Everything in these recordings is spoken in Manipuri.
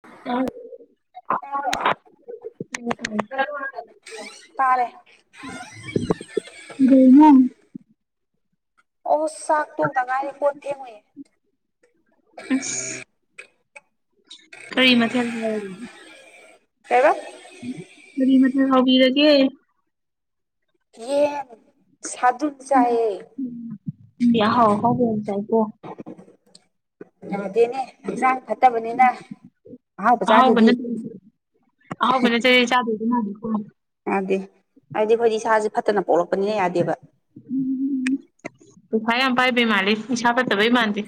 [unintelligible] ꯀꯩꯗꯧꯔꯤꯅꯣ ꯇꯥꯔꯦ [unintelligible] ꯑꯣ ꯆꯥꯛ ꯇꯣꯛꯇ ꯉꯥꯏꯔꯤ ꯀꯣꯟ ꯐꯦꯡꯉꯨꯏꯅꯦ ꯑ ꯀꯔꯤ ꯃꯊꯦꯜ ꯀꯩ ꯑꯕꯥ ꯀꯔꯤ ꯃꯊꯦꯜ ꯍꯥꯎꯕꯤꯔꯒꯦ ꯌꯦꯟ ꯁꯥꯗꯨꯨꯝ ꯆꯥꯏꯌꯦ ꯍ ꯍ ꯆꯥꯏꯀꯣ ꯑꯗꯦꯅꯦ ꯍꯛꯁꯥꯡ ꯐꯠꯇꯕꯅꯤꯅ ꯃꯍꯥꯛꯍꯥꯎ ꯑꯍꯥꯎꯕ ꯃꯆꯥꯥꯗꯨꯗꯤ ꯆꯕꯦꯗ ꯃꯥꯅꯤ ꯀꯣ ꯌꯥꯗꯦ ꯍꯥꯏꯗꯤ ꯑꯩꯈꯣꯏꯗꯤ ꯏꯁꯥꯁꯦ ꯐꯠꯇꯅ ꯄꯣꯛꯂꯛꯄꯅꯤꯅ ꯌꯥꯗꯦꯕ ꯎꯝ ꯄꯩꯁꯥ ꯌꯥꯝ ꯄꯥꯏꯕꯩ ꯃꯥꯜꯂꯦ ꯏꯁꯥ ꯐꯠꯇꯕꯩ ꯃꯥꯟꯗꯦ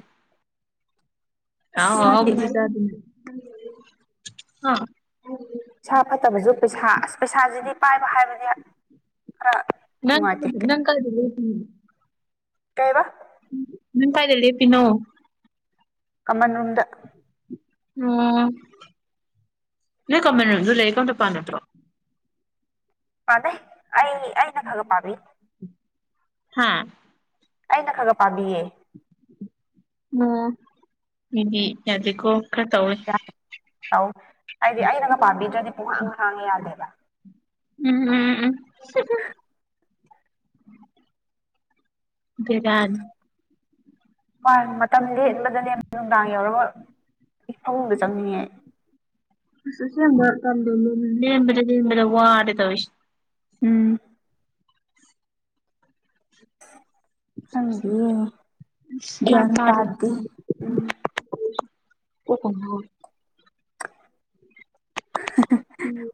ꯑꯥꯎ ꯍꯥꯎ ꯏꯁꯥꯒꯤ ꯆ ꯍ ꯏꯁꯥ ꯐꯠꯇꯕꯁꯨ ꯄꯩꯁꯥ ꯑꯁ ꯄꯩꯁꯥꯁꯤꯗꯤ ꯄꯥꯏꯕ ꯍꯥꯏꯕꯗꯤ ꯈꯔ ꯅꯪ ꯅꯨꯡꯉꯥꯏꯇꯦ ꯀꯗꯦ ꯅꯪ ꯀꯗ ꯑꯣꯏ ꯀꯩ ꯑꯕꯥ ꯅꯪ ꯀꯥꯏꯗ ꯂꯦꯞꯄꯤꯅꯣ ꯀꯃꯅꯟꯗ ꯎꯝ ꯅꯣꯏ ꯀꯃꯅꯗꯨ ꯂꯩ ꯀ ꯇ ꯄꯥ ꯅꯠꯇ꯭ꯔꯣ ꯑꯗꯦ ꯑꯩ ꯑꯩꯅ ꯀꯒ ꯄꯥꯕꯤ ꯍꯥꯥ ꯑꯩꯅ ꯈꯔ ꯈꯔ ꯄꯥꯝꯕꯤꯌꯦ ꯑꯣ ꯏꯗꯤ ꯑꯗꯨꯀꯣ ꯈꯔ ꯇꯧ ꯑꯧ ꯍꯥꯏꯗꯤ ꯑꯩꯅꯒ ꯄꯥꯝꯕꯤꯗ꯭ꯔꯗꯤ ꯄꯨꯡꯍꯥꯡ ꯍꯥꯡꯉꯦ ꯌꯥꯗꯦꯕ ꯎꯝ ꯎꯝ ꯎꯝ [unintelligible] ꯍꯣꯏ ꯃꯇꯝ ꯂꯦꯟꯕꯗꯅꯦ ꯅꯨꯡꯗꯥꯡ ꯌꯧꯔꯒ ꯐꯪꯕ ꯆꯪꯅꯤꯡꯉꯦ ꯁꯦꯝꯔ ꯂꯔ ꯂꯔ ꯋꯥꯔꯦꯗ ꯎꯝ ꯈꯪꯗꯤꯌꯦ ꯌꯥꯝ ꯒ꯭ꯌꯥꯟ ꯇꯔ ꯇꯥꯗꯦ ꯎꯝ [unintelligible]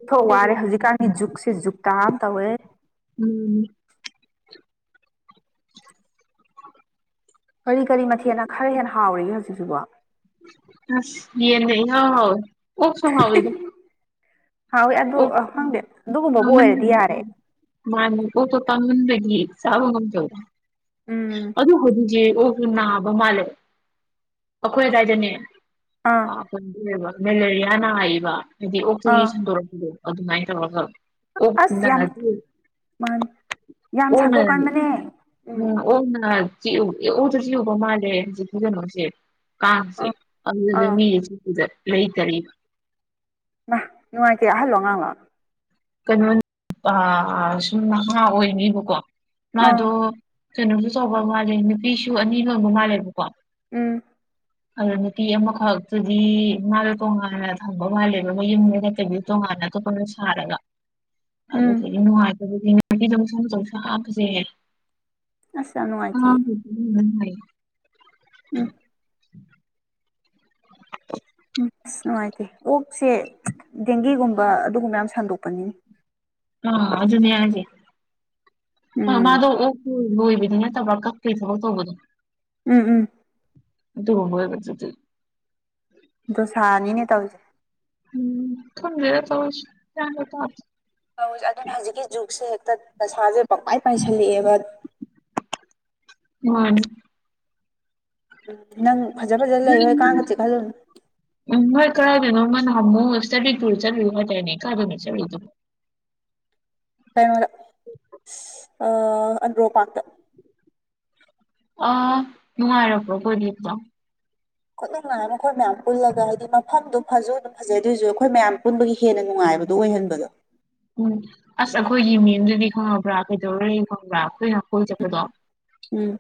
ꯊꯣꯛ ꯋꯥꯔꯦ ꯍꯧꯖꯤꯛꯀꯥꯟꯗꯤ ꯖꯨꯛꯁꯦ ꯖꯨꯛꯇꯥꯥ ꯑꯃ ꯇꯧꯋꯦ ꯎꯝ ꯀꯔꯤ ꯀꯔꯤ ꯃꯊꯦꯅ ꯈꯔ ꯍꯦꯟꯅ ꯍꯥꯎꯔꯤꯒꯦ ꯍꯧꯖꯤꯛꯁꯤꯕꯣ ꯑꯁ ꯌꯦꯟ ꯅ ꯏꯍꯥꯎ ꯍꯥꯎ ꯑꯣꯛꯁꯨ ꯍꯥꯎꯗ ꯍꯥꯎꯋꯦ ꯑꯗꯨ ꯈꯪꯗꯦ ꯑꯣ ꯑꯗꯨꯒꯨꯝꯕꯕꯨ ꯑꯣꯏꯔꯗꯤ ꯌꯥꯔꯦ ꯃꯥꯅꯤ ꯑꯣ ꯄꯣꯄ ꯃꯟꯕꯒꯤ ꯆꯥꯕ ꯉꯨꯝ ꯇꯧꯔ ꯎꯝ ꯑꯗꯨ ꯍꯧꯖꯤꯁ ꯑꯣꯛꯁꯨ ꯅꯥꯕ ꯃꯥꯜꯂꯦ ꯑꯩꯈꯣꯏ ꯑꯗꯥꯏꯗꯅꯦ ꯑꯥ ꯑ ꯃꯦꯂꯦꯔꯤꯌꯥ ꯅꯥꯏꯕ ꯍꯥꯏꯗꯤ ꯑꯣꯛꯁꯤꯒꯤ ꯑꯥ ꯁꯟꯗꯣꯔꯛꯄꯗꯣ ꯑꯗꯨꯃꯥꯏꯅ ꯇꯧꯔꯒ ꯑꯣ ꯑꯁ ꯌꯥꯝ ꯃꯥꯅꯤ ꯌꯥꯝ ꯎꯅ ꯁꯟꯗꯣꯛꯀꯟꯕꯅꯦ ꯎꯝ ꯎꯅ ꯑꯣꯗ ꯆꯖꯤ ꯎꯕ ꯃꯥꯜꯂꯦꯖꯤ ꯀꯖꯅꯣꯁꯦ ꯀꯥꯡꯁꯦ ꯑꯥ ꯑꯗꯨꯗꯤ ꯑꯥ ꯃꯤ ꯂꯩꯇꯔꯤꯕꯔꯤꯕ ꯍ ꯅꯨꯡꯉꯥꯏꯇꯦ ꯑꯍꯜꯂꯣ ꯉꯉꯥꯡꯂꯥꯛ ꯀꯩꯅꯣ ꯁꯨꯝ ꯅꯍꯥ ꯑꯣꯏꯅꯦꯕꯀꯣ ꯑꯥ ꯃꯥꯗꯣ ꯀꯩꯅꯣꯁꯨ ꯆꯥꯎꯕ ꯃꯥꯜꯂꯦ ꯅꯨꯄꯤꯁꯨ ꯑꯅꯤ ꯂꯣꯟꯕ ꯃꯥꯜꯂꯦꯕꯀꯣ ꯎꯝ [inaudible] ꯑꯗ ꯅꯨꯄꯤ ꯑꯃꯈꯛꯇꯨꯗꯤ ꯃꯥꯥꯗꯣ ꯇꯣꯉꯥꯟꯅ ꯊꯝꯕ ꯃꯥꯜꯂꯦꯕ ꯃꯣꯏ ꯌꯨꯝꯗ ꯅꯠꯇꯕꯤ ꯇꯣꯉꯥꯟꯅ ꯑꯇꯣꯞꯄ ꯑꯃ ꯁꯥꯔꯒ ꯎꯝ ꯑꯗꯨꯗꯤ ꯅꯨꯡꯉꯥꯏ [unintelligible] ꯑꯁ ꯌꯥꯝ ꯍꯥꯞꯄꯁꯦꯍꯦ ꯅꯨꯡꯉꯥꯏꯇꯤꯌꯦ [unintelligible] ꯎꯝ ꯎꯝ ꯑꯁ ꯅꯨꯡꯉꯥꯏꯇꯦ ꯑꯣꯛꯁꯦ ꯗꯦꯡꯒꯤꯒꯨꯝꯕ ꯑꯗꯨꯒꯨꯝꯕ ꯌꯥꯝ ꯁꯟꯗꯣꯛꯄꯅꯤꯅꯦ ꯑ ꯑꯗꯨꯅꯤ ꯍꯥꯏꯖꯦ ꯎꯝ ꯃꯥꯗꯣ ꯑꯣꯛ ꯂꯣꯏꯕꯗꯤ ꯅꯠꯇꯕ ꯀꯛꯄ ꯊꯕꯛ ꯇꯧꯕꯗꯣ ꯎꯝ ꯎꯝ ꯑꯗꯨ [unintelligible] ꯗꯥꯁꯥꯅꯤꯅꯦ ꯇꯧꯔꯤꯁꯦ ꯎꯝ ꯈꯪꯗ꯭ꯔꯦ ꯇꯧꯔꯤꯁꯦ [unintelligible] [unintelligible] ꯑꯗꯨꯅꯦ ꯍꯧꯖꯤꯛꯀꯤ ꯖꯨꯛꯁꯦ ꯍꯦꯛꯇ ꯄꯩꯁꯥꯁꯦ ꯄꯪꯃꯥꯏ ꯄꯥꯏꯁꯜꯂꯛꯑꯦꯕ ꯃꯥꯅꯦ ꯅꯪ ꯐꯖ ꯐꯖ ꯂꯩꯌꯨꯍꯦ ꯀꯥꯡꯒ ꯆꯤꯛ ꯍꯜꯂꯨꯅꯨ ꯃꯣꯏ ꯀꯔꯥꯏꯗꯅꯣꯃ ꯅꯍꯥꯟꯃꯨꯛ ꯏꯁꯇꯗꯤ ꯇꯨꯔ ꯆꯠꯂꯨꯏ ꯇꯧꯗꯥꯏꯅꯦ ꯀꯥꯏꯗꯅꯣ ꯆꯠꯂꯨꯏꯗꯨ ꯀꯩꯅꯣꯗ ꯑꯁ ꯑꯟꯗ꯭ꯔꯣ ꯄꯥꯔꯛꯇ ꯑ ꯅꯨꯉꯥꯏꯔꯛꯄꯣ [unintelligible] ꯈꯨꯅꯨꯡꯉꯥꯏ ꯑꯃ ꯑꯩꯈꯣꯏ ꯃꯌꯥꯝ ꯄꯨꯜꯂꯒ ꯍꯥꯏꯗꯤ ꯃꯐꯝꯗꯨꯣ ꯐꯖꯨ ꯑꯗꯨꯝ ꯐꯖꯩ ꯑꯗꯨꯏꯁꯨ ꯑꯩꯈꯣꯏ ꯃꯌꯥꯝ ꯄꯨꯟꯕꯒꯤ ꯍꯦꯟꯅ ꯅꯨꯡꯉꯥꯏꯕꯗꯨ ꯑꯣꯏꯍꯟꯕꯗꯣ ꯎꯝ ꯑꯁ ꯑꯩꯈꯣꯏꯒꯤ ꯃꯦꯝꯗꯨꯗꯤ ꯈꯪꯉꯕ꯭ꯔꯥ ꯀꯩꯗꯧꯔ ꯂꯩ ꯈꯪꯕ꯭ꯔꯥ ꯑꯩꯈꯣꯏꯅ ꯀꯣꯏ ꯆꯠꯄꯗꯣ ꯎꯝ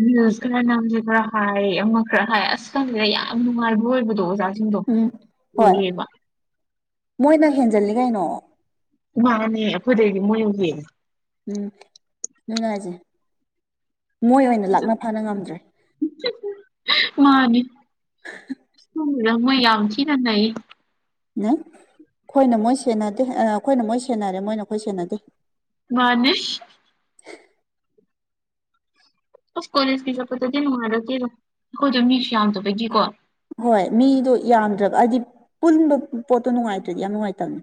ꯔꯤꯂꯁ ꯈꯔ ꯅꯝꯁꯦ ꯈꯔ ꯍꯥꯏ ꯑꯃ ꯈꯔ ꯍꯥꯏ ꯑꯁ ꯈꯪꯗꯦꯗ ꯌꯥꯝ ꯅꯨꯡꯉꯥꯏꯕ ꯑꯣꯏꯕꯗꯣ ꯑꯣꯖꯥꯁꯦ ꯎꯝ ꯍꯣꯏ ꯃꯣꯏ ꯅꯪꯍꯦꯟꯖꯜꯂꯤ ꯀꯩꯅꯣ ꯃꯥꯅꯦ [unintelligible] ꯃꯣꯏꯅꯕꯨ ꯍꯦꯟꯂꯤ ꯎꯝ ꯑꯗꯨꯅꯦ ꯍꯥꯏꯁꯦ ꯃꯣꯏ ꯑꯣꯏꯅ ꯂꯥꯛꯅ ꯐꯅ ꯉꯝꯗ꯭ꯔꯦ [unintelligible] ꯃꯥꯅꯦ [unintelligible] ꯃꯣꯏ ꯌꯥꯝ ꯊꯤꯅ ꯅꯩ ꯅꯩ ꯑꯩꯈꯣꯏꯅ ꯃꯣꯏ ꯁꯦꯟꯅꯗꯦ ꯑꯩꯈꯣꯏꯅ ꯃꯣꯏ ꯁꯦꯟꯅꯔꯦ ꯃꯣꯏꯅ ꯑꯩꯈꯣꯏ ꯁꯦꯟꯅꯗꯦ ꯃꯥꯅꯤ ꯑꯁ ꯀꯂꯦꯖ ꯀꯤ ꯆꯠꯄꯗꯗꯤ ꯅꯨꯡꯉꯥꯏꯔꯛ ꯇꯦ ꯑꯩꯈꯣꯏꯗꯣ ꯃꯤꯁꯨ ꯌꯥꯝꯗꯕꯒꯤ ꯀꯣ ꯍꯣꯏ ꯃꯤꯗꯣ ꯌꯥꯝꯗ꯭ꯔꯕ ꯍꯥꯏꯗꯤ ꯄꯨꯟꯕ ꯄꯣꯠꯇꯣ ꯅꯨꯡꯉꯥꯏꯇ꯭ꯔꯗꯤ ꯌꯥꯝ ꯅꯨꯡꯉꯥꯏꯇꯕꯅꯦ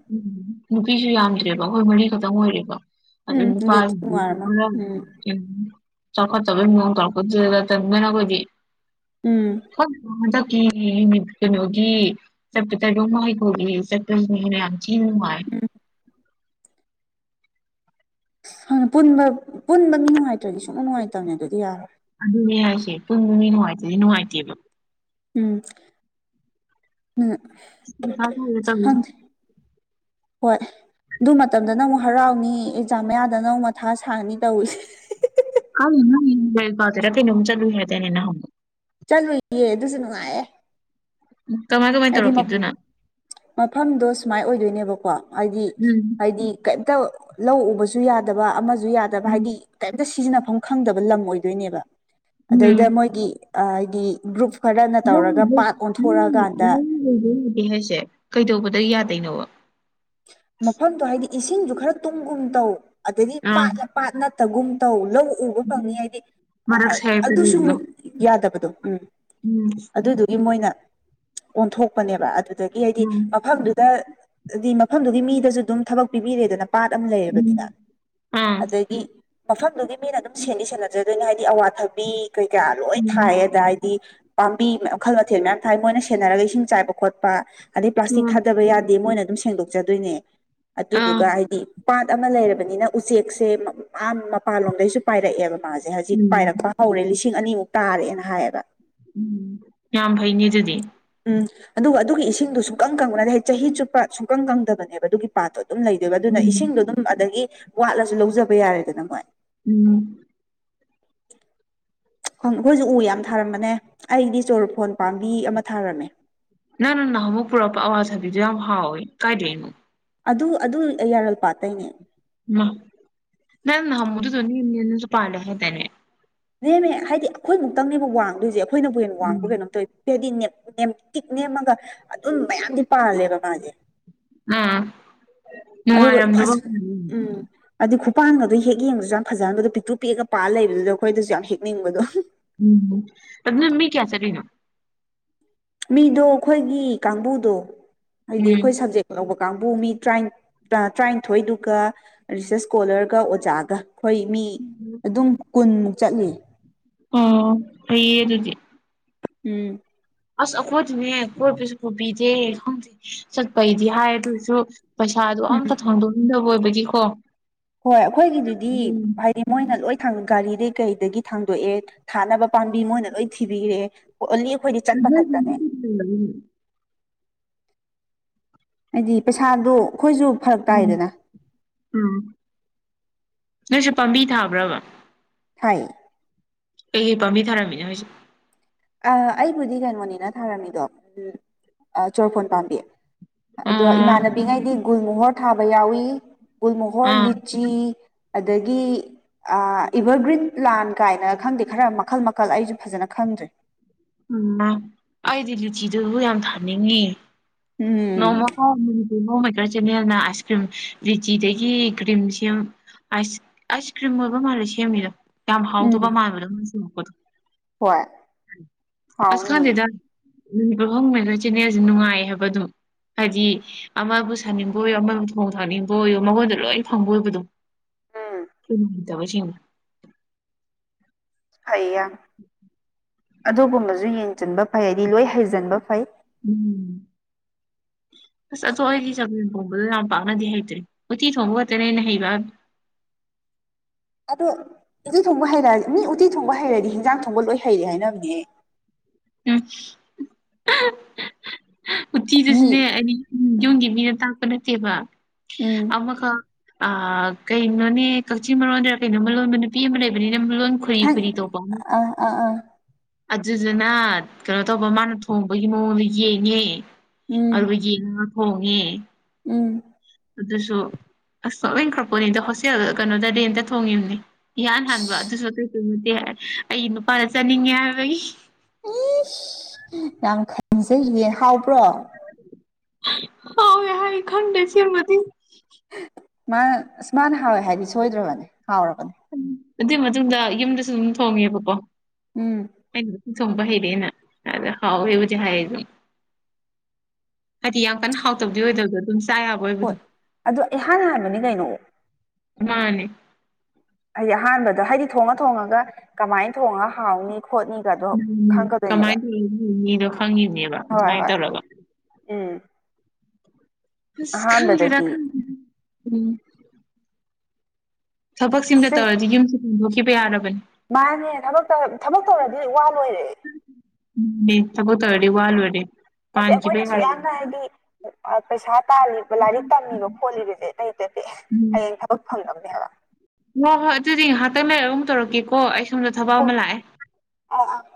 ꯅꯨꯄꯤꯁꯨ ꯌꯥꯝꯗ꯭ꯔꯦꯕ ꯑꯩꯈꯣꯏ ꯃꯔꯤꯈꯛꯇꯪ ꯑꯣꯏꯔꯦꯕ ꯑꯗꯩ ꯎꯝ [unintelligible] ꯑꯗꯨꯏꯗꯤ ꯅꯨꯡꯉꯥꯏꯔꯝꯃꯣꯏ ꯎꯝ ꯆꯥꯎꯈꯠꯇꯕꯩ ꯃꯑꯣꯡ ꯇꯧꯔꯛꯄꯗꯨꯗꯗꯤ ꯇꯟꯕꯅ ꯑꯩꯈꯣꯏꯗꯤ ꯎꯝ [unintelligible] ꯍꯟꯗꯛꯀꯤ [unintelligible] ꯀꯩꯅꯣꯒꯤ [unintelligible] [unintelligible] ꯅꯨꯉꯥꯏ [unintelligible] ꯎꯝ [unintelligible] ꯄꯨꯟꯕ ꯄꯨꯟꯕ ꯃꯤ ꯅꯨꯡꯉꯥꯏꯇ꯭ꯔꯗꯤ ꯁꯨꯡꯅꯨꯡ ꯅꯨꯡꯉꯥꯏꯇꯕꯅꯦ ꯑꯗꯨꯗꯤ ꯌꯥꯔꯣꯏ ꯑꯗꯨꯅꯦ ꯍꯥꯏꯁꯦ ꯄꯨꯟꯕ ꯃꯤ ꯅꯨꯡꯉꯥꯏꯇꯗꯤ ꯅꯨꯡꯉꯥꯏꯇꯦꯕ ꯎꯝ ꯎꯝ ꯃꯊꯥ ꯁꯥꯏꯗ ꯇꯧꯔꯤꯁꯦ ꯈꯪꯗꯦ ꯍꯣꯏ ꯑꯗꯨ ꯃꯇꯝꯗꯅ ꯑꯃꯨꯛ ꯍꯔꯥꯎꯅꯤ ꯑꯦꯛꯖꯥꯝ ꯃꯌꯥꯗꯅ ꯑꯃꯨꯛ ꯃꯊꯥ ꯁꯥꯅꯤ ꯇꯧꯔꯤꯁꯦ [unintelligible] ꯆꯠꯂꯨꯏ ꯍꯥꯏꯗꯥꯏꯅꯦ ꯅꯍꯥꯟꯋꯥꯏ [unintelligible] ꯆꯠꯂꯨꯏꯌꯦ ꯑꯗꯨꯁꯨ ꯅꯨꯡꯉꯥꯏꯌꯦ ꯀꯃꯥꯏ ꯀꯃꯥꯏ ꯍꯥꯏꯗꯤ ꯇꯧꯔꯛꯀꯦ ꯑꯗꯨꯅ ꯃꯐꯝꯗꯣ ꯁꯨꯃꯥꯏꯅ ꯑꯣꯏꯗꯣꯏꯅꯦꯕꯀꯣ ꯍꯥꯏꯗꯤ ꯎꯝ ꯍꯥꯏꯗꯤ ꯀꯩꯝꯇ ꯂꯧ ꯎꯕꯁꯨ ꯌꯥꯗꯕ ꯑꯃꯁꯨ ꯌꯥꯗꯕ ꯎꯝ ꯍꯥꯏꯗꯤ ꯀꯩꯝꯇ ꯁꯤꯖꯤꯟꯅꯐꯝ ꯈꯪꯗꯕ ꯂꯝ ꯑꯣꯏꯗꯣꯏꯅꯦꯕ ꯑꯗꯩꯗ ꯎꯝ ꯃꯣꯏꯒꯤ ꯍꯥꯏꯗꯤ ꯒ꯭ꯔꯨꯞ ꯈꯔꯅ ꯇꯧꯔꯒ ꯄꯥꯠ ꯑꯣꯟꯊꯣꯔꯛꯑꯒꯥꯟ ꯅꯪ ꯂꯩꯕꯦ ꯂꯩꯗꯦ ꯍꯥꯏꯁꯦ ꯀꯩꯗꯧꯕꯗ ꯌꯥꯗꯩꯅꯣꯕ꯫ ꯃꯐꯝꯗꯣ ꯍꯥꯏꯗꯤ ꯏꯁꯤꯡꯁꯨ ꯈꯔ ꯇꯨꯡꯒꯨꯝ ꯇꯧ ꯑꯗꯩꯒꯤ ꯑꯥ ꯄꯥꯠꯂ꯫ ꯄꯥꯠ ꯅꯠꯇꯒꯨꯝ ꯇꯧ ꯂꯧ ꯎꯕ ꯎꯝ ꯐꯪꯉꯤ ꯍꯥꯏꯗꯤ ꯃꯔꯛ ꯁꯥꯏꯠꯇ ꯑꯗꯨꯁꯨꯨꯃꯨꯛ꯫ ꯂꯩꯕꯗꯣ ꯌꯥꯗꯕꯗꫭ ꯎꯝ꯫ ꯎꯝ꯫ ꯑꯗꯨꯗꯨꯒꯤ ꯃꯣꯏꯅ ꯑꯣꯟꯊꯣꯛꯄꯅꯦꯕ ꯑꯗꯨꯗꯒꯤ ꯍꯥꯏꯗꯤ ꯎꯝ ꯃꯐꯝꯗꯨꯗ ꯍꯥꯏꯗꯤ꯫ ꯃꯐꯝꯗꯨꯒꯤ ꯃꯤꯗꯁꯨ ꯑꯗꯨꯝ ꯊꯕꯛ ꯄꯤꯕꯤꯔꯦꯗꯅ ꯄꯥꯠ ꯑꯃ ꯎꯝ ꯂꯩꯔꯕꯅꯤꯅ ꯑꯥ ꯑꯗꯒꯤ꯫ ꯃꯐꯝꯗꯨꯒꯤ ꯃꯤꯅ ꯑꯗꯨꯝ ꯁꯦꯟꯗꯤ ꯁꯦꯟꯅꯖꯗꯣꯏꯅꯤ ꯍꯥꯏꯗꯤ ꯑꯋꯥꯊꯕꯤ꯫ ꯀꯩꯀꯥ ꯂꯣꯏ ꯊꯥꯏꯑꯦ ꯑꯗ ꯍꯥꯏꯗꯤ꯫ ꯄꯥꯝꯕꯤ ꯃꯈꯜ ꯃꯊꯦꯜ ꯃꯌꯥꯝ ꯊꯥꯏ ꯃꯣꯏꯅ ꯁꯦꯟꯅꯔꯒ ꯏꯁꯤꯡ ꯆꯥꯏꯕ ꯈꯣꯠꯄ ꯑꯗꯩ ꯄ꯭ꯂꯥꯁꯇꯤꯛ ꯎꯝ ꯊꯥꯗꯕ ꯌꯥꯗꯦ ꯃꯣꯏꯅ꯫ ꯑꯗꯨꯝ ꯁꯦꯡꯗꯣꯛꯆꯗꯣꯏꯅꯦ ꯑꯥ ꯑꯗꯨꯗꯨꯒ ꯍꯥꯏꯗꯤ꯫ ꯄꯥꯠ ꯑꯃ ꯂꯩꯔꯕꯅꯤꯅ ꯎꯆꯦꯛꯁꯦ ꯃꯥ ꯃꯄꯥꯟꯂꫭꯝꯗꯩꯁꯨ ꯄꯥꯏꯔꯛꯑꯦꯕ ꯃꯥꯁꯦ ꯍꯧꯖꯤꯛ ꯄꯥꯏꯔꯛꯄ꯫ ꯍꯧꯔꯦ ꯂꯤꯁꯤꯡ ꯑꯅꯤꯃꯨꯛ ꯇꯥꯔꯦꯅ ꯍꯥꯏꯌꯦꯕ꯫ ꯎꯝ ꯌꯥꯝ ꯐꯩꯅꯦ ꯑꯗꯨꯗꯤ꯫ ꯎꯝ ꯑꯗꯨꯒ ꯑꯗꯨꯒꯤ ꯏꯁꯤꯡꯗꯨ ꯁꯨꯨꯡꯀꯪ ꯀꯪꯕꯅꯠꯇ‌ꯦ ꯍꯥꯏꯗꯤ ꯆꯍꯤ ꯆꯨꯞꯄ ꯁꯨꯡꯀꯪ ꯀꯪꯗꯕꯅꯦꯕ ꯑꯗꯨꯒꯤ ꯄꯥꯠꯇꯣ꯫ ꯑꯗꯨꯝ ꯂꯩꯗꯣꯏꯕ ꯑꯗꯨꯅ ꯎꯝ ꯏꯁꯤꯡꯗꯨ ꯑꯗꯨꯝ ꯑꯗꯒꯤ ꯋꯥꯠꯂꯁꯨ ꯂꯧꯖꯕ ꯌꯥꯔꯦꯗꯅ ꯃꯣꯏ꯫ ꯎꯝ꯫ ꯑꯈꯣꯏꯁꯨ ꯎ ꯌꯥꯝ ꯊꯥꯔꯝꯕꯅꯦ ꯑꯩꯗꯤ ꯆꯣꯔꫭꯐꯣꯟ ꯄꯥꯝꯕꯤ ꯑꯃ ꯊꯥꯔꯝꯃꯦ꯫ ꯅꯪꯅ ꯅꯥꯍꯟ ꯃꯨꯛ ꯄꯨꯔꯛꯄ ꯑꯋꯥꯊꯕꯤꯗꯨ ꯌꯥꯝ ꯍꯥꯎꯋꯦ ꯀꯥꯏꯗꯩꯅꯣ꯫ ꯑꯗꯨ ꯑꯗꯨ ꯌꯥꯔꯜꯄꯥꯥꯠꯇꯩꯅꯦ꯫ ꯃꯥ ꯅꯪ ꯃꯗꯨ ꯏꯁꯨ ꯄꯥꯜꯂ‌ꯦ ꯍꯥꯏꯇꯥꯏꯅꯦ꯫ ꯂꯦꯝꯃꯦ ꯍꯥꯏꯗꯤ ꯑꯈꯣꯏ ꯃꯨꯛꯇꯪꯅꯦꯕ ꯋꯥꯡꯗꯣꯏꯁꯦ ꯑꯈꯣꯏꯅꯕꯨ ꯍꯦꯟꯌꯥꯡꯕ꯭ꯔꯥ ꯀꯩꯅꯣꯝꯇꯧꯏ꯫ ꯗꯤ ꯅꯦꯝ ꯅ‌ꯦꯝꯇꯤꯛ ꯅ‌ꯦꯝꯃꯒ ꯑꯗꯨꯝ ꯃꯌꯥꯝꯗꯤ ꯄꯥꯜꯂꯦꯕ ꯃꯥꯁꯦ꯫ ꯑꯥ ꯅꯨꯡꯉꯥꯏꯔꯝꯗꯕ꯫ ꯑꯗꯨꯏ ꯈꯨꯄꯥꯡꯒꯗꯨ ꯍꯦꯛ ꯌꯦꯡꯕꯗꯁꯨ ꯌꯥꯝ ꯐꯖꯍꯟꯕꯗꯣ ꯄꯤꯛꯇꯨ ꯄꯤꯛꯑꯒ ꯄꯥꯟ ꯂꯩꯕꯗꯨꯗ ꯑꯈꯣꯏꯗꯁꯨ ꯌꯥꯝ ꯍꯦꯛꯅꯤꯡꯕꯗꯣ꯫ ꯎꯝ ꯑꯗꯨꯗ ꯃꯤ ꯀꯌꯥ ꯆꯠꯂꯤꯅꯣ꯫ ꯃꯤꯗꯣ ꯑꯈꯣꯏꯒꯤ ꯀꯥꯡꯕꯨꯗꯣ ꯍꯥꯏꯗꯤ ꯎꯝ ꯑꯈꯣꯏ ꯁꯕꯖꯦꯛ꯫ ꯂꯧꯕ ꯀꯥꯡꯕꯨ ꯃꯤ ꯇꯔꯥꯏꯟ ꯇꯔꯥꯅꯤꯊꯣꯏꯗꯨꯒ ꯔꯤꯁꯔꯁ ꯁ꯭ꯀꯣꯂꯔꯒ ꯑꯣꯖꯥꯒ꯫ ꯑꯈꯣꯏ ꯃꯤ ꯑꯗꯨꯝ ꯀꯨꯟꯃꯨꯛ ꯆꯠꯂꯤꯅꯤ꯫ ꯑꯣ ꯐꯩꯌꯦ ꯑꯗꯨꯗꯤ꯫ ꯎꯝ꯫ ꯑꯁ ꯑꯈꯣꯏꯗꯤꯅꯦ ꯀꯣꯏꯕꯁꯨ ꯄꯨꯕꯤꯗꯦ ꯈꯪꯗꯦ ꯆꯠꯄꯩꯗꯤ ꯍꯥꯏ ꯑꯗꫭꯁꯨ꯫ ꯄꯩꯁꯥꯗꯣ ꯎꯝ ꯑꯝꯇ ꯊꯣꯟꯗꯣꯛꯅꯤꯡꯗꯕ ꯑꯣꯏꯕꯒꯤꯀꯣ꯫ ꯍꯣꯏ ꯑꯈꯣꯏꯒꯤꯗꯨꯗꯤ ꯍꯥꯏꯗꯤ ꯃꯣꯏꯅ ꯂꯣꯏ ꯊꯥꯡ ꯒꯥꯔꯤꯗꯩ ꯀꯩꯗꯒꯤ ꯊꯥꯡꯗꯣꯛꯑꯦ꯫ ꯊꯥꯅꯕ ꯄꯥꯝꯕꯤ ꯃꯣꯏꯅ ꯂꯣꯏ ꯊꯤꯕꯤꯔꯦ ꯑꯣꯟꯂꯤ ꯑꯈꯣꯏ꯫ ꯫ ꯍꯥꯏꯗꯤ ꯄꯩꯁꯥꯗꯨ ꯑꯈꯣꯏꯁꯨ ꯐꯔꯛ ꯇꯥꯏꯗꯅ꯫ ꯎꯝ ꯅꯣꯏꯁꯨ ꯄꯥꯝꯕꯤ ꯊꯥꯕ꯭ꯔꯕ꯫ ꯊꯥꯏꯌ‌ꯦ꯫ ꯀꯩ ꯀꯩ ꯄꯥꯝꯕꯤ ꯊꯥꯔꯝꯃꯤꯅꫭ ꯍꯥꯏꯁ‌ꯦ꯫ ꯑꯥ ꯑꯩꯕꯨꯗꯤ ꯀꯩꯅꯣꯅꯤꯅ ꯊꯥꯔꯝꯃꯤꯗꯣ ꯆꯣꯔꯐꯣꯟ ꯄꯥꯝꯕꯤ꯫ ꯑꯗꯣ ꯑꯥ ꯏꯃꯥꯟꯅꯕꯤꯉꯩꯗꯤ ꯒꯨꯜ ꯃꯣꯍꯣꯔ ꯊꯥꯕ ꯌꯥꯎꯏꯤ ꯒꯨꯜ ꯃꯣꯍꯣꯔ ꯑꯥ ꯂꯤꯠ꯫ ꯆꯤ ꯑꯗꯒꯤ꯫ ꯏꯚꯔꯒ꯭ꯔꯤꯠ ꯄ꯭ꯂꯥꯟ ꯀꯥꯏꯅ ꯈꯪꯗꯦ ꯈꯔ ꯃꯈꯜ ꯃꯈꯜ ꯑꯩꯁꯨ ꯐꯖꯅ ꯈꯪꯗ꯭ꯔꯦ꯫ ꯎꯝ ꯃꯥ ꯑꯩꯗꯤ ꯂꯨꯆꯤꯗꯨꯕꯨ ꯌꯥꯝ ꯊꯥꯅꯤꯡꯉꯤ꯫ ꯎꯝ ꯅꯣꯡꯃꯥꯎ ꯃꯩꯒ꯭ꯔꯥ ꯆꯦꯅꯦꯜꯅ ꯑꯥꯏꯁ ꯀ꯭ꯔꯤꯝ ꯔꯤꯆꯤꯗꯒꯤ ꯀ꯭ꯔꯤꯝ ꯁꯦꯝ꯫ ꯑꯥꯏꯁ ꯑꯥꯏꯁ ꯀ꯭ꯔꯤꯝ ꯑꯣꯏꯕ ꯃꯥꯜꯂꯦ ꯁꯦꯝꯃꯤꯗꯣ꯫ ꯌꯥꯝ ꯎꯝ ꯍꯥꯎꯗꫭꯕ ꯃꯥꯥꯟꯕꯗꫭ ꯍꯣꯏ [unintelligible] ꯑꯁ ꯍꯥꯎꯅꯤ ꯈꯪꯗ‌ꯦꯗ꯫ ꯑꯍꯣꯡꯃ‌ꯦꯀꯔ ꯆꯦꯅꯦꯜꯁꯦ ꯅꯨꯡꯉꯥꯏ ꯍꯥꯏꯕ ꯑꯗꯨꯝ꯫ ꯍꯥꯏꯗꯤ ꯑꯃꯕꯨ ꯁꯥꯅꯤꯡꯕ ꯑꯣꯏꯌꫭ ꯑꯃꯕꯨ ꯊꯣꯡ ꯊꯥꯛꯅꯤꯡꯕ ꯑꯣꯏꯌꯣ ꯃꯉꯣꯟꯗ ꯂꯣꯏ ꯐꯪꯕ ꯑꯣꯏꯕꯗꯣ꯫ ꯎꯝ ꯆꯤꯟꯒ ꯑꯝꯇ ꯁ‌ꯦꯡꯉ‌ꯣꯏ ꯐꯩ ꯌꯥꯝ ꯑꯗꯨꯒꯨꯝꯕꯁꯨ ꯌꯦꯡꯖꯤꯟꯕ ꯐꯩꯗꯤ ꯂꯣꯏ ꯍꯩꯖꯤꯟꯕ ꯐꯩ ꯎꯝ [unintelligible] ꯑꯁ ꯑꯗꯣ ꯑꯩꯗꯤ ꯆꯝꯃꯦ ꯊꯣꯡꯕꯗꯤ ꯌꯥꯝ ꯄꯥꯛꯅꯗꯤ ꯍꯩꯇ꯭ꯔꯤ ꯎꯇꯤ ꯊꯣꯡꯕ ꯈꯛꯇꯅ‌ꯦ ꯑꯩꯅ ꯍꯩꯕꯕꯨ ꯑꯗꯣ ꯎꯇꯤ ꯊꯣꯡꯕ ꯍꯩꯔꯗꯤ ꯃꯤ ꯎꯇꯤ ꯊꯣꯡꯕ ꯍꯩꯔꯗꯤ ꯏꯟꯖꯥꯡ ꯊꯣꯡꯕ ꯂꯣꯏ ꯍꯩꯔꯦ ꯍꯥꯏꯅꯕꯅꯦꯍ‌ꯦ ꯎꯝ ꯃꯤ ꯎꯇꯤꯗꯨꯁꯨꯅꯦ ꯑꯅꯤ ꯎꯝ ꯌꯨꯝꯒꯤ ꯃꯤꯅ ꯇꯥꯛꯄ ꯅꯠꯇꯦꯕ ꯎꯝ ꯑꯃꯈꯛ ꯑ ꯀꯩꯅꯣꯅꯦ ꯀꯛꯆꯤꯡ ꯃꯔꯣꯟꯗ ꯀꯩꯅꯣꯃ ꯂꯣꯟꯕ ꯅꯨꯄꯤ ꯑꯃ ꯂꯩꯕꯅꯤꯅ‌ꯦ ꯃꯔ‌ꯣꯟ ꯈꯪ ꯈ‌ꯣꯏꯔꯤ-ꯈ‌ꯣꯏꯔꯤ ꯇꯧꯕꯃ ꯑꯥ ꯑꯥ ꯑ ꯑꯗꯨꯗꯨꯅ ꯀꯩꯅꯣ ꯇꯧꯕ ꯃꯥꯅ ꯊꯣꯡꯕꯒꯤ ꯃꯑꯣꯡꯗ‌ꯣ ꯌꯦꯡꯉꯦ ꯎꯝ ꯑꯗꯨꯒ ꯌꯦꯡꯉꯒ ꯊꯣꯡꯉꯦ ꯎꯝ ꯑꯗꯨꯁꯨ ꯑꯁ ꯅ‌ꯣꯛꯅꯤꯡ ꯈ꯭ꯔꯄꯣꯠꯅꯤꯗ ꯍꯣꯁꯇꯦꯜ ꯀꯩꯅꯣꯗ ꯔꯦꯟꯇ ꯊꯣꯡꯉꯤꯕꯅꯤ ꯏꯍꯥꯟ ꯍꯥꯟꯕ ꯑꯗꯨꯁꯨ ꯑꯇꯩ-ꯑꯇꯩ ꯅꯠꯇꯦ ꯑꯩ ꯅꯨꯄꯥꯅ ꯆꯥꯅꯤꯡꯉꯦ ꯍꯥꯏꯕꯒꯤ ꯏ꯭ꯁ ꯌꯥꯝ ꯈꯟꯖꯩꯌꯦ ꯍꯥꯎꯕ꯭ꯔꯣ ꯍꯥꯎꯌ‌ꯦ ꯍꯥꯏ ꯈꯪꯗ‌ꯦ ꯁꯤꯃꯗꯤ ꯃꯥꯅ ꯑꯁ ꯃꯥꯅ ꯍꯥꯎꯋꯦ ꯍꯥꯏꯗꯤ ꯁꯣꯏꯗ꯭ꯔꯕꯅꯦ ꯍꯥꯎꯔꯕꯅꯤ ꯑꯗꯨꯒꯤ ꯃꯇꯨꯡꯗ ꯌꯨꯝꯗꯁꯨ ꯑꯗꯨꯝ ꯊꯣꯡꯉꯦꯕꯀꯣ ꯎꯝ ꯑꯩꯅ ꯊ‌ꯣꯡꯕ ꯍꯩꯔ‌ꯦꯅ ꯑꯗ ꯍꯥꯎꯌ‌ꯦꯕꯨꯗꯤ ꯍꯥꯏꯌ‌ꯦ ꯑꯗꯨꯝ ꯍꯥꯏꯗꯤ ꯌꯥꯝ ꯀꯟꯅ ꯍꯥꯎꯇꯕꯗꯤ ꯑꯣꯏꯗꯕꯗꯣ ꯑꯗꯨꯝ ꯆꯥꯌꯥꯕ ꯍꯣꯏ ꯑꯗ‌ꯣ ꯏꯍꯥꯟ ꯍꯥꯟꯕꯅꯤ ꯀꯩꯅꯣ ꯃꯥꯅꯦ ꯍꯥꯏꯗꯤ ꯑꯍꯥꯟꯕꯗ ꯍꯥꯏꯗꯤ ꯊꯣꯡꯉ ꯊꯣꯡꯉꯒ ꯀꯃꯥꯏꯅ ꯊꯣꯡꯉꯒ ꯍꯥꯎꯅꯤ ꯈꯣꯠꯅꯤ ꯎꯝ ꯀꯃꯥꯏꯟ [unintelligible] ꯈꯪꯉꯤꯕꯅꯦꯕ ꯍꯣꯏ ꯑꯗꯨꯃꯥꯏꯟ ꯍꯣꯏ ꯇꯧꯔꯒ ꯎꯝ ꯍꯁ ꯑꯍꯥꯟꯕꯗꯗꯤ ꯈꯪꯗ꯭ꯔ‌ꯦꯗ ꯎꯝ ꯊꯕꯛꯁꯤꯃꯇ ꯁꯦ ꯇꯧꯔꯗꯤ ꯌꯨꯝꯁꯤ ꯍ‌ꯣꯡꯗꯣꯛꯈꯤꯕ ꯌꯥꯔꯕꯅꯤ ꯃꯥꯅꯦ ꯊꯕꯛ ꯇꯧꯔ ꯊꯕꯛ ꯇꯧꯔꯗꯤ ꯋꯥ ꯂꯣꯏꯔꯦ ꯎꯝ ꯑꯗꯨꯅꯤ ꯊꯕꯛ ꯇꯧꯔꯗꯤ ꯋꯥꯂ‌ꯣꯏꯔ‌ꯦ ꯅꯠꯇꯦ ꯑꯩꯈꯣꯏꯅ ꯑꯁꯨꯛ ꯌꯥꯝꯅ ꯍꯥꯏꯗꯤ ꯄꯩꯁꯥ ꯇꯥꯜꯂꯤꯕ ꯂꯥꯏꯔꯤꯛ ꯇꯝꯃꯤꯕ ꯈꯣꯠꯂꯤꯕꯁꯦ ꯑꯇꯩ ꯅꯠꯇ‌ꯦ ꯎꯝ ꯍꯌꯦꯡ ꯊꯕꯛ ꯐꯪꯅꯕꯅ‌ꯦ ꯍꯥꯏꯕ ꯍꯣꯏ ꯍꯣꯏ ꯑꯗꯨꯗꯤ ꯉꯥꯏꯍꯥꯛꯇꯪ ꯂꯩꯔꯒ ꯑꯃꯨ ꯇꯧꯔꯛꯀꯦꯀꯣ ꯑꯩ ꯁꯣꯝꯗ ꯊꯕꯛ ꯑꯃ ꯂꯥꯛꯑꯦ ꯍ‌ꯣꯏ-ꯍ‌ꯣꯏ